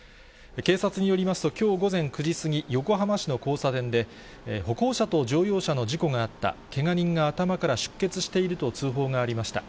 警察によりますと、きょう午前９時過ぎ、横浜市の交差点で、歩行者と乗用車の事故があった、けが人が頭から出血していると通報がありました。